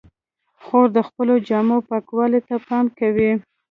خور د خپلو جامو پاکوالي ته پام کوي.